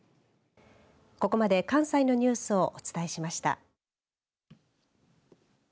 ここまで関西のニュースをお伝えしました。